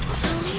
malin jangan lupa